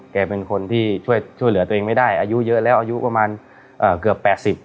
เป็นคนที่ช่วยเหลือตัวเองไม่ได้อายุเยอะแล้วอายุประมาณเกือบ๘๐